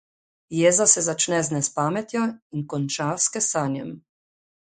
Jeza se začne z nespametjo in konča s kesanjem.